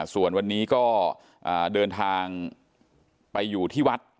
ส่วนวันนี้ก็เดินทางไปอยู่ที่วัด